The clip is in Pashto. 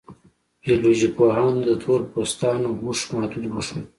بیولوژي پوهانو د تور پوستانو هوښ محدود وښود.